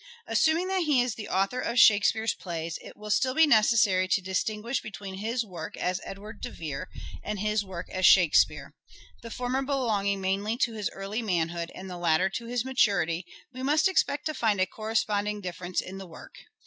Assuming that he is the author of Shakespeare's plays it will still be necessary to dis tinguish between his work as Edward de Vere and his work as " Shakespeare." The former belonging mainly to his early manhood, and the latter to his maturity, we must expect to find a corresponding difference in the work.